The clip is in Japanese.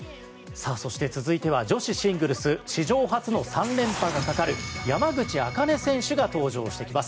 そして、続いては女子シングルス史上初の３連覇がかかる山口茜選手が登場してきます。